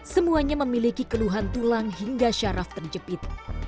semuanya memiliki keluhan tulang hingga syaraf terjepit